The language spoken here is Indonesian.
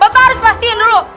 bapak harus pastiin dulu